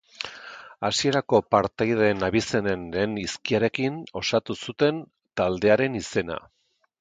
Hasierako partaideen abizenen lehen hizkiarekin osatu zuten taldearen izena.